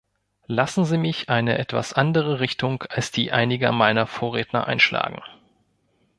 Lassen Sie mich eine etwas andere Richtung als die einiger meiner Vorredner einschlagen.